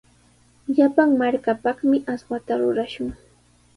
Llapan markapaqmi aswata rurashun.